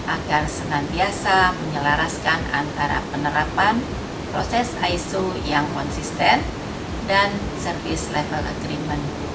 agar senantiasa menyelaraskan antara penerapan proses iso yang konsisten dan service level agreement